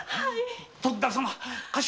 徳田様頭